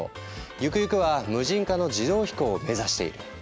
ゆくゆくは無人化の自動飛行を目指している。